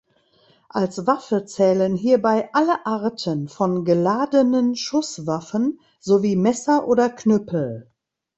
Als Waffe zählen hierbei alle Arten von geladenen Schusswaffen sowie Messer oder Knüppel.